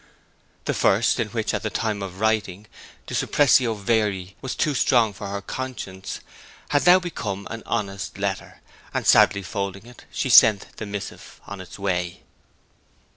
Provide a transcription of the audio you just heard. The first, in which, at the time of writing, the suppressio veri was too strong for her conscience, had now become an honest letter, and sadly folding it she sent the missive on its way.